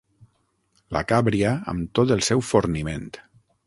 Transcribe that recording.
La càbria amb tot el seu forniment.